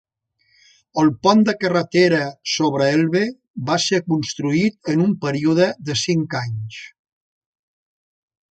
El pont de carretera sobre Elbe va ser construït en un període de cinc anys.